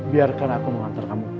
biarkan aku mengantar kamu